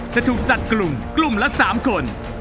จะถูกจัดกลุ่มกลุ่มละ๓คน